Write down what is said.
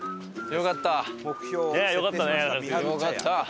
よかった！